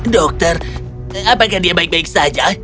dokter apakah dia baik baik saja